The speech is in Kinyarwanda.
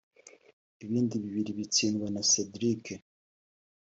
ibindi bibiri bitsindwa na Cedric